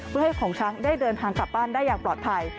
เพื่อให้ของช้างได้เดินทางกลับบ้านได้อย่างปลอดภัย